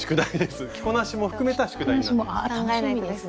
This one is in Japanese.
着こなしも含めた宿題になってます。